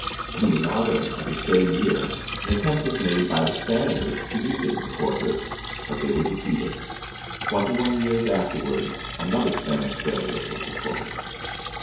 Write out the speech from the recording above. In the autumn of the same year an attempt was made by the Spaniards to re gain the fortress, but they were defeated. Twenty one years afterward another Spanish failure was recorded.